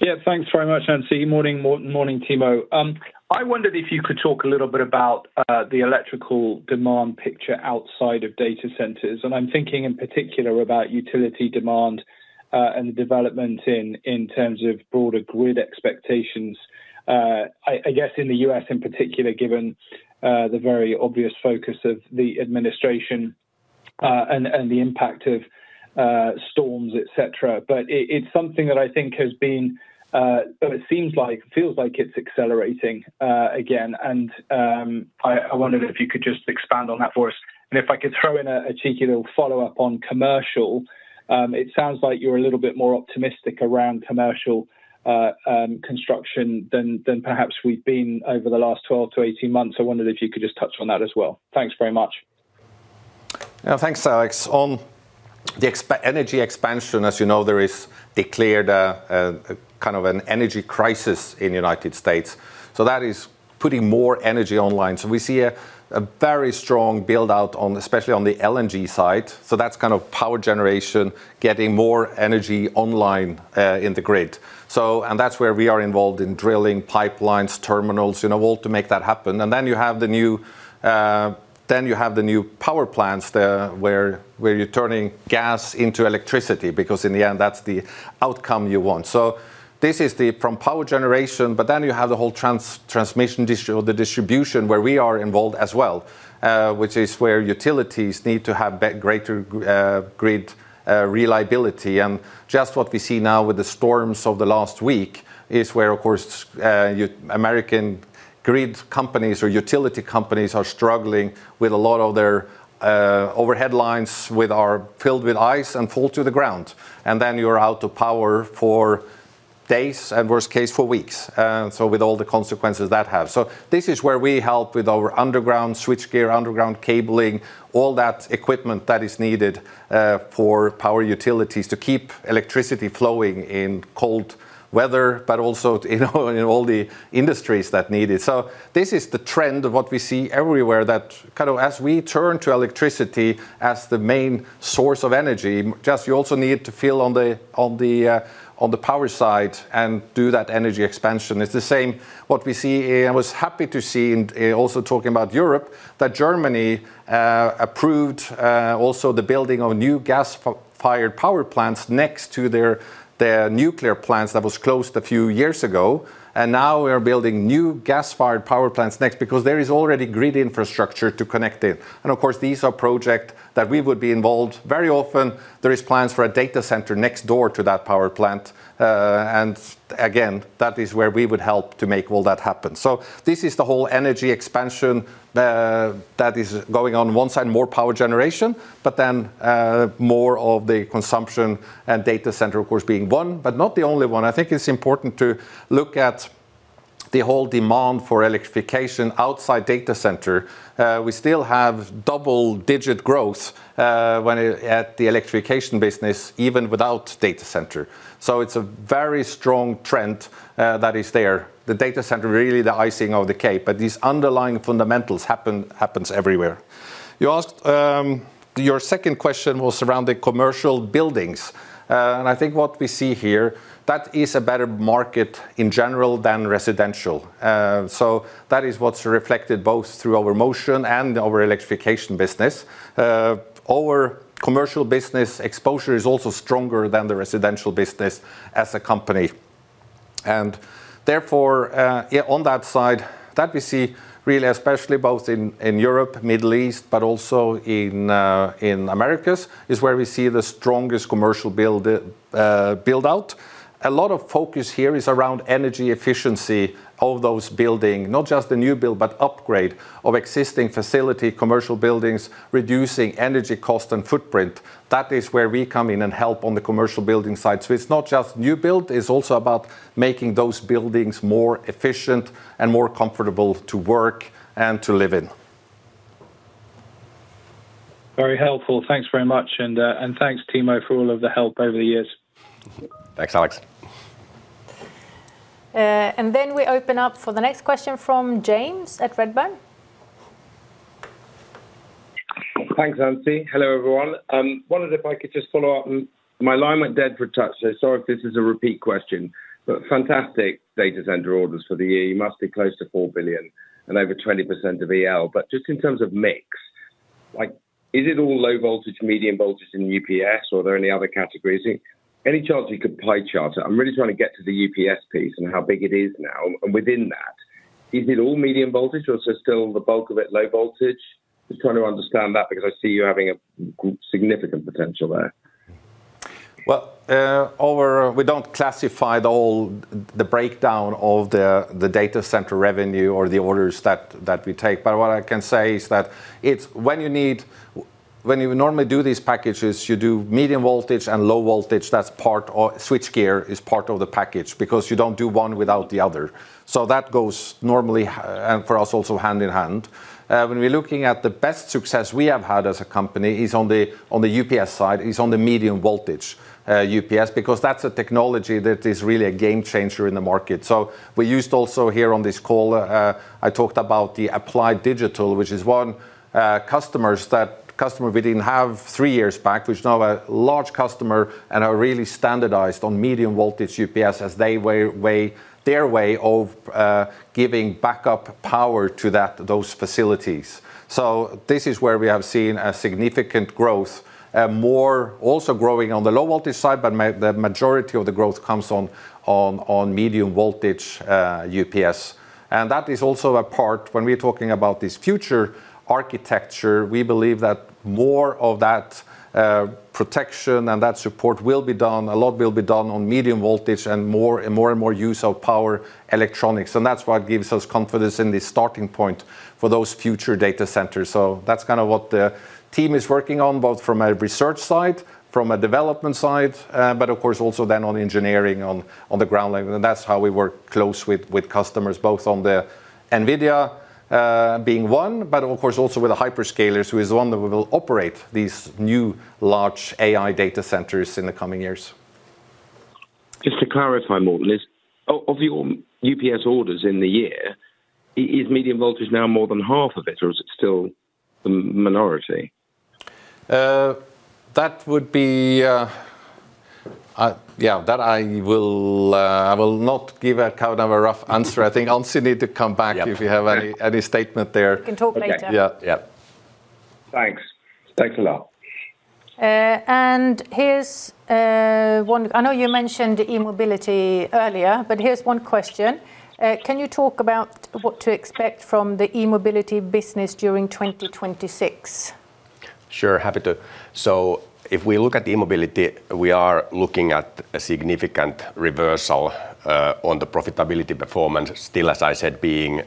Yeah, thanks very much, Ann-Sofie. Morning, Timo. I wondered if you could talk a little bit about the electrical demand picture outside of data centers, and I'm thinking in particular about utility demand, and the development in terms of broader grid expectations. I guess in the U.S. in particular, given the very obvious focus of the administration, and the impact of storms, et cetera. But it's something that I think has been, or it seems like, feels like it's accelerating again. And I wondered if you could just expand on that for us. And if I could throw in a cheeky little follow-up on commercial, it sounds like you're a little bit more optimistic around commercial construction than perhaps we've been over the last 12-18 months. I wondered if you could just touch on that as well. Thanks very much. Yeah, thanks, Alex. On the energy expansion, as you know, there is a clear kind of an energy crisis in the United States, so that is putting more energy online. So we see a very strong build-out on, especially on the LNG side, so that's kind of power generation, getting more energy online in the grid. So, and that's where we are involved in drilling pipelines, terminals, you know, all to make that happen. And then you have the new, then you have the new power plants, where you're turning gas into electricity, because in the end, that's the outcome you want. So this is the from power generation, but then you have the whole transmission distribution, where we are involved as well, which is where utilities need to have greater grid reliability. And just what we see now with the storms of the last week is where, of course, American grid companies or utility companies are struggling with a lot of their overhead lines which are filled with ice and fall to the ground. And then you're out of power for days, and worst case, for weeks, so with all the consequences that have. So this is where we help with our underground switchgear, underground cabling, all that equipment that is needed for power utilities to keep electricity flowing in cold weather, but also, you know, in all the industries that need it. So this is the trend of what we see everywhere, that kind of as we turn to electricity as the main source of energy, just you also need to build on the power side and do that energy expansion. It's the same what we see. I was happy to see, and also talking about Europe, that Germany approved also the building of new gas-fired power plants next to their nuclear plants that was closed a few years ago. Now we are building new gas-fired power plants next, because there is already grid infrastructure to connect it. Of course, these are project that we would be involved. Very often, there is plans for a data center next door to that power plant, and again, that is where we would help to make all that happen. This is the whole energy expansion that is going on one side, more power generation, but then more of the consumption and data center, of course, being one, but not the only one. I think it's important to look at the whole demand for Electrification outside data center, we still have double-digit growth, when at the Electrification business, even without data center. So it's a very strong trend, that is there. The data center really the icing on the cake, but these underlying fundamentals happens everywhere. You asked. Your second question was around the commercial buildings, and I think what we see here, that is a better market in general than residential. So that is what's reflected both through our Motion and our Electrification business. Our commercial business exposure is also stronger than the residential business as a company. And therefore, yeah, on that side, that we see really, especially both in Europe, Middle East, but also in Americas, is where we see the strongest commercial build out. A lot of focus here is around energy efficiency of those buildings. Not just the new build, but upgrade of existing facilities, commercial buildings, reducing energy cost and footprint. That is where we come in and help on the commercial building side. So it's not just new build, it's also about making those buildings more efficient and more comfortable to work and to live in. Very helpful. Thanks very much, and, and thanks, Timo, for all of the help over the years. Thanks, Alex. And then we open up for the next question from James at Redburn. Thanks, Ann-Sofie. Hello, everyone. Wondered if I could just follow up, and my line went dead for a touch, so sorry if this is a repeat question, but fantastic data center orders for the year. You must be close to $4 billion and over 20% of EL. But just in terms of mix, like, is it all low voltage, medium voltage in UPS, or are there any other categories? Any chance you could pie chart it? I'm really trying to get to the UPS piece and how big it is now. And within that, is it all medium voltage or is it still the bulk of it low voltage? Just trying to understand that, because I see you're having a significant potential there. Well, our, we don't classify the whole, the breakdown of the data center revenue or the orders that we take, but what I can say is that it's when you need, when you normally do these packages, you do medium voltage and low voltage, that's part of, switchgear is part of the package because you don't do one without the other. So that goes normally, and for us, also hand in hand. When we're looking at the best success we have had as a company, is on the UPS side, is on the medium voltage UPS, because that's a technology that is really a game changer in the market. So we used also here on this call, I talked about the Applied Digital, which is one, customers, that customer we didn't have three years back, which now a large customer and are really standardized on medium voltage UPS as their way of giving backup power to that, those facilities. So this is where we have seen a significant growth, more also growing on the low voltage side, but the majority of the growth comes on medium voltage, UPS. And that is also a part, when we're talking about this future architecture, we believe that more of that, protection and that support will be done, a lot will be done on medium voltage and more, and more and more use of power electronics, and that's what gives us confidence in the starting point for those future data centers. That's kind of what the team is working on, both from a research side, from a development side, but of course, also then on engineering, on the ground level. That's how we work close with customers, both on the NVIDIA being one, but of course, also with the hyperscalers, who is one that will operate these new large AI data centers in the coming years. Just to clarify, Morten, of your UPS orders in the year, is medium voltage now more than half of it, or is it still minority? That would be, that I will not give a kind of a rough answer. I think Ann-Sofie need to come back- Yeah. If you have any statement there. We can talk later. Yeah. Yeah. Thanks. Thanks a lot. Here's one. I know you mentioned E-mobility earlier, but here's one question. "Can you talk about what to expect from the E-mobility business during 2026? Sure, happy to. So if we look at the E-mobility, we are looking at a significant reversal on the profitability performance. Still, as I said, being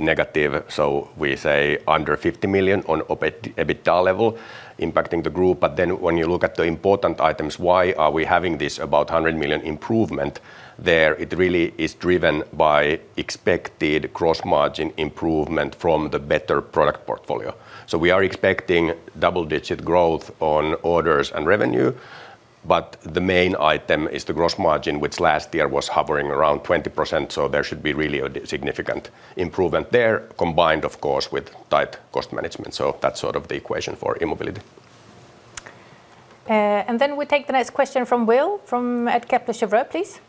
negative, so we say under $50 million on EBITDA level, impacting the group. But then when you look at the important items, why are we having this about $100 million improvement there? It really is driven by expected gross margin improvement from the better product portfolio. So we are expecting double-digit growth on orders and revenue, but the main item is the gross margin, which last year was hovering around 20%, so there should be really a significant improvement there, combined, of course, with tight cost management. So that's sort of the equation for E-mobility. And then we take the next question from Will at Kepler Cheuvreux, please.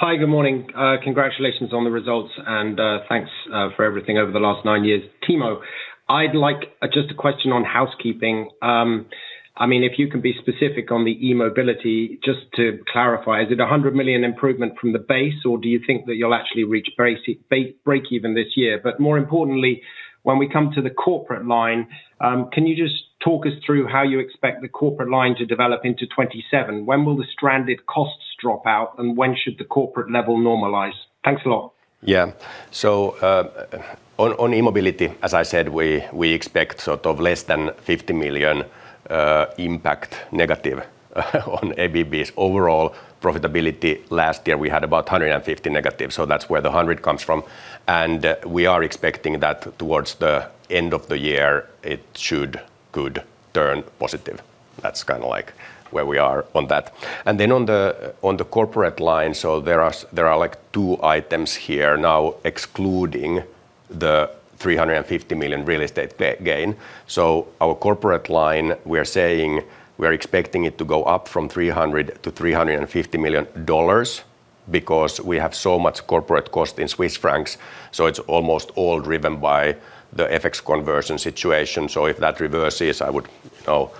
Hi, good morning. Congratulations on the results, and thanks for everything over the last nine years. Timo, I'd like just a question on housekeeping. I mean, if you can be specific on the E-mobility, just to clarify, is it $100 million improvement from the base, or do you think that you'll actually reach breakeven this year? But more importantly, when we come to the corporate line, can you just talk us through how you expect the corporate line to develop into 2027? When will the stranded costs drop out, and when should the corporate level normalize? Thanks a lot. Yeah. So, on E-mobility, as I said, we expect sort of less than $50 million impact negative on ABB's overall profitability. Last year, we had about $150 negative, so that's where the $100 comes from. And we are expecting that towards the end of the year, it should could turn positive. That's kind of like where we are on that. And then on the corporate line, so there are like two items here now, excluding the $350 million real estate gain. So our corporate line, we are saying we are expecting it to go up from $300 million-$350 million because we have so much corporate cost in Swiss francs, so it's almost all driven by the FX conversion situation. So if that reverses, I would, you know,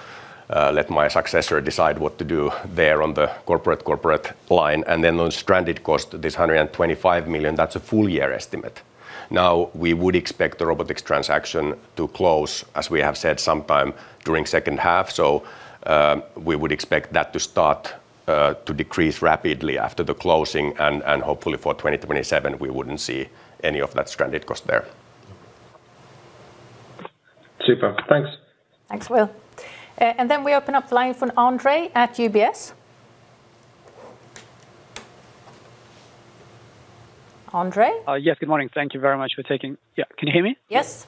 let my successor decide what to do there on the corporate, corporate line. And then on stranded cost, this $125 million, that's a full year estimate. Now, we would expect the robotics transaction to close, as we have said, sometime during second half. So, we would expect that to start to decrease rapidly after the closing, and, and hopefully for 2027, we wouldn't see any of that stranded cost there. Super. Thanks. Thanks, Will. Then we open up the line for Andre at UBS. Andre? Yes, good morning. Thank you very much for taking, yeah, can you hear me? Yes.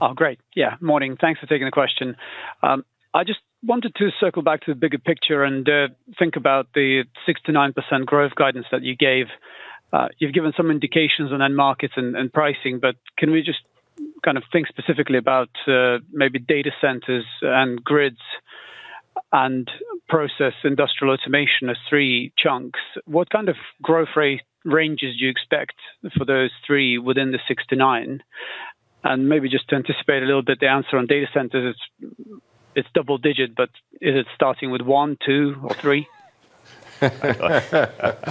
Oh, great. Yeah, morning. Thanks for taking the question. I just wanted to circle back to the bigger picture and think about the 6%-9% growth guidance that you gave. You've given some indications on end markets and pricing, but can we just kind of think specifically about maybe data centers and grids and process industrial Automation as three chunks? What kind of growth ranges do you expect for those three within the 6%-9%? And maybe just to anticipate a little bit, the answer on data centers, it's double-digit, but is it starting with one, two, or three? We're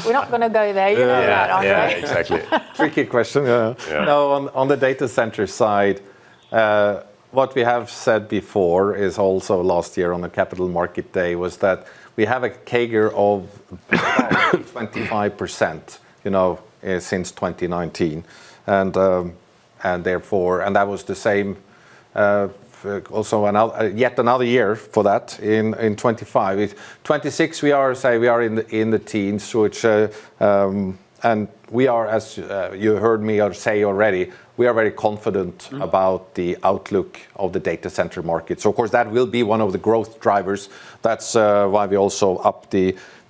not going to go there. You know that, Andre. Yeah. Yeah, exactly. Tricky question, yeah. Yeah. No, on the data center side, what we have said before is also last year on the Capital Markets Day, was that we have a CAGR of 25%, you know, since 2019. And therefore, that was the same for also another, yet another year for that in 2025. 2026, we say we are in the teens, which and we are, as you heard me say already, we are very confident about the outlook of the data center market. So of course, that will be one of the growth drivers. That's why we also upped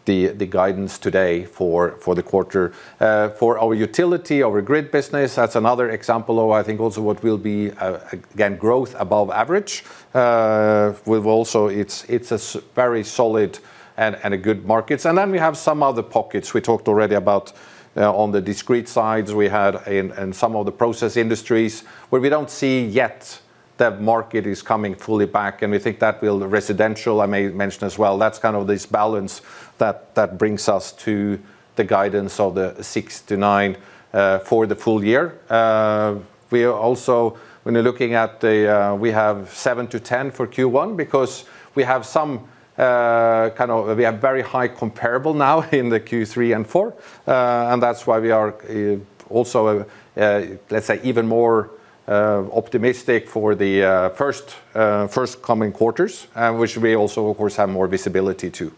the guidance today for the quarter. For our utility, our grid business, that's another example of, I think also what will be again growth above average. We've also, it's a very solid and a good markets. And then we have some other pockets. We talked already about on the discrete sides we had in some of the process industries, where we don't see yet that market is coming fully back, and we think that will, residential, I may mention as well, that's kind of this balance that brings us to the guidance of six to nine for the full year. We are also, when you're looking at the, we have 7-10 for Q1, because we have some, we have very high comparable now in the Q3 and Q4. And that's why we are also, let's say even more optimistic for the first, first coming quarters, which we also, of course, have more visibility, too.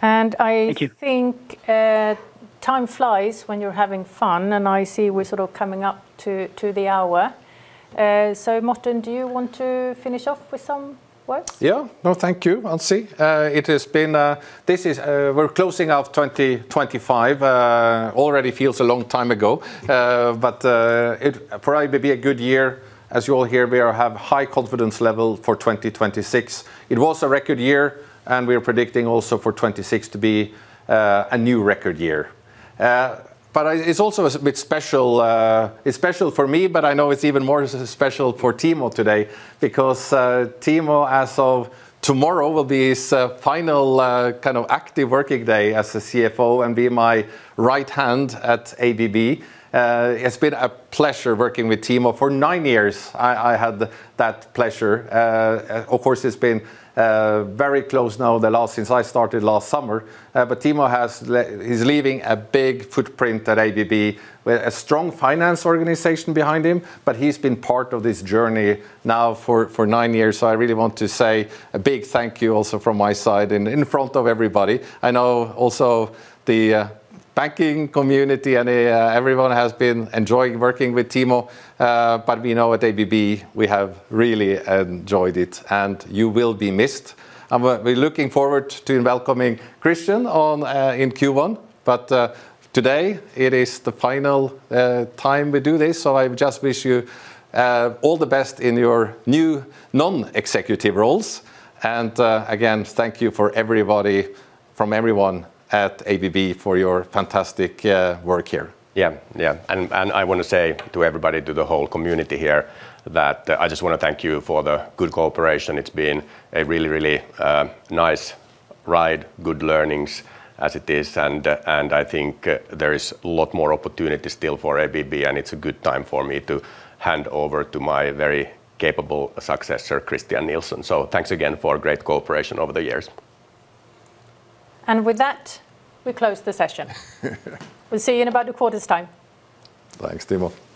And I, Thank you Think, time flies when you're having fun, and I see we're sort of coming up to the hour. So, Morten, do you want to finish off with some words? Yeah. No, thank you, Ann-Sofie. It has been, this is, we're closing out 2025, already feels a long time ago. But, it probably may be a good year. As you all hear, we are have high confidence level for 2026. It was a record year, and we are predicting also for 2026 to be, a new record year. But, it's also a bit special, it's special for me, but I know it's even more special for Timo today, because, Timo, as of tomorrow, will be his, final, kind of active working day as the CFO and be my right hand at ABB. It's been a pleasure working with Timo. For nine years, I had that pleasure. Of course, it's been very close now, the last since I started last summer. But Timo has, he's leaving a big footprint at ABB, with a strong finance organization behind him, but he's been part of this journey now for nine years. So I really want to say a big thank you also from my side and in front of everybody. I know also the banking community and everyone has been enjoying working with Timo, but we know at ABB, we have really enjoyed it, and you will be missed. We're looking forward to welcoming Christian on in Q1, but today, it is the final time we do this, so I just wish you all the best in your new non-executive roles. Again, thank you for everybody from everyone at ABB for your fantastic work here. Yeah. Yeah, and I want to say to everybody, to the whole community here, that I just want to thank you for the good cooperation. It's been a really, really nice ride, good learnings as it is, and I think there is a lot more opportunity still for ABB, and it's a good time for me to hand over to my very capable successor, Christian Nilsson. So thanks again for great cooperation over the years. With that, we close the session. We'll see you in about a quarter's time. Thanks, Timo. Thanks.